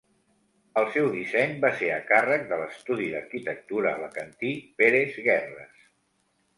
El seu disseny va ser a càrrec de l'estudi d'arquitectura alacantí Pérez-Guerres.